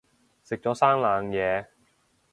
食咗生冷嘢